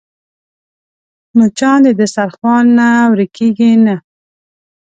مچان د دسترخوان نه ورکېږي نه